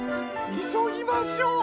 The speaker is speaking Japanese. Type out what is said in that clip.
いそぎましょ！